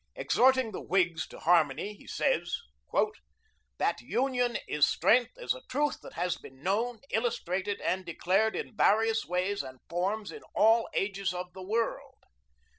Exhorting the Whigs to harmony, he says: "That union is strength is a truth that has been known, illustrated, and declared in various ways and forms in all ages of the world.